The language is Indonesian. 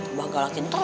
abah galakin terus